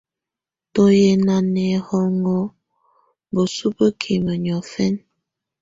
Tù yɛ́ ná nɛ́hɔnɔ bǝ́su bǝ́kimǝ niɔfɛna.